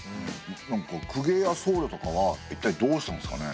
なんか公家や僧侶とかはいったいどうしたんですかね。